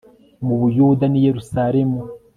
mu buyuda n i yerusalemu